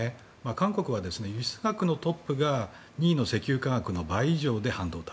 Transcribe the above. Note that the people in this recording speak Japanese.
韓国は輸出額のトップが２位の石油価格の倍以上で半導体。